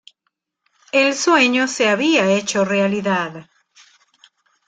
El sueño se había hecho realidad.